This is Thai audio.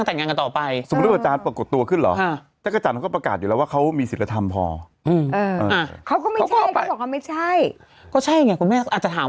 แต่มันไม่ใช่เขาไม่ใช่เขา